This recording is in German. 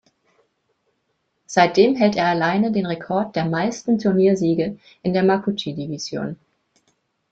Seitdem hält er alleine den Rekord der meisten Turniersiege in der Makuuchi-Division.